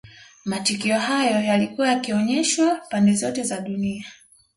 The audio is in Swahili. Matukio hayo yalikuwa yakionyeshwa pande zote za dunia